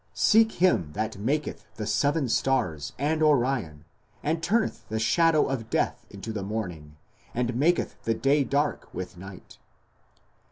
Seek him that maketh the seven stars and Orion, and turneth the shadow of death into the morning, and maketh the day dark with night.